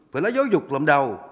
phải lấy giáo dục làm đầu